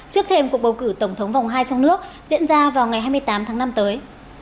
trước thêm cuộc bầu cử tổng thống vòng hai trong nước diễn ra vào ngày hai mươi tám tháng năm tới